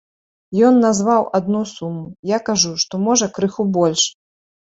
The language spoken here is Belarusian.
Ён назваў адну суму, я кажу, што, можа, крыху больш.